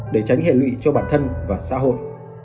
để tránh hệ lụy cho bản thân và xã hội